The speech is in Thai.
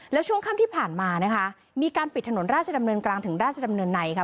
แล้วช่วงค่ำที่ผ่านมานะคะมีการปิดถนนราชดำเนินกลางถึงราชดำเนินในค่ะ